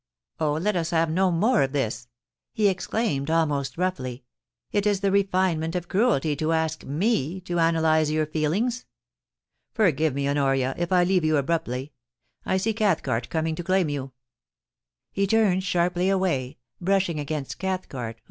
... Oh, let us have no more of this !' he exclaimed, almost roughly ; *it is the refinement of cruelty to ask me to analyse your feelings. Forgive me, Honoria, if I leave you abruptly. I see Cathcart coming to claim you.' He turned sharply away, brushing against Cathcart, who.